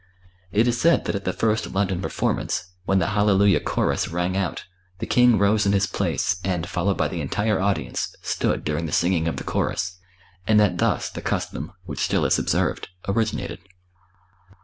It is said that at the first London performance, when the "Hallelujah Chorus" rang out, the King rose in his place and, followed by the entire audience, stood during the singing of the chorus, and that thus the custom, which still is observed, originated.